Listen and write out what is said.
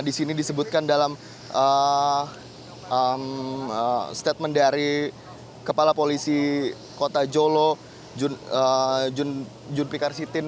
di sini disebutkan dalam statement dari kepala polisi kota jolo junfikar sitin